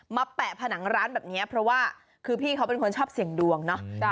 แปะผนังร้านแบบนี้เพราะว่าคือพี่เขาเป็นคนชอบเสี่ยงดวงเนาะ